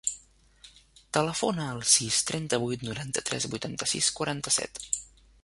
Telefona al sis, trenta-vuit, noranta-tres, vuitanta-sis, quaranta-set.